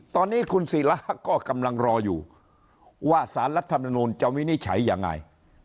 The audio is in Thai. ตอนนี้คุณศิราก็กำลังรออยู่ว่าสารรัฐมนูลจะวินิจฉัยยังไง